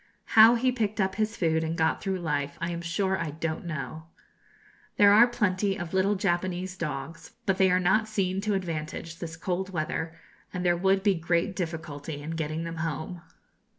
How he picked up his food and got through life, I am sure I don't know. There are plenty of little Japanese dogs; but they are not seen to advantage this cold weather, and there would be great difficulty in getting them home.